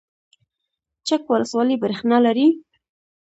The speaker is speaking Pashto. چک ولسوالۍ بریښنا لري؟